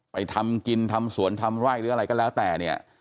ทำกินทำสวนทำไร่หรืออะไรก็แล้วแต่เนี่ย